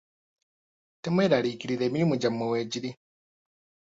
Temweraliikirira emirimu gyammwe weegiri.